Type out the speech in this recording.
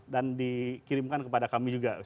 dan dikirimkan kepada kami juga